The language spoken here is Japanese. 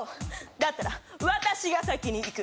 「だったら、私が先にいく」